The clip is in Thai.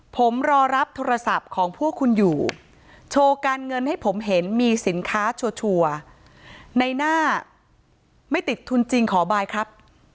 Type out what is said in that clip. ผมรอรับโทรศัพท์ของพวกคุณอยู่โชว์การเงินให้ผมเห็นมีสินค้าชัวร์ในหน้าไม่ติดทุนจริงขอบายครับ